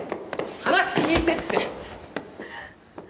話聞いてって！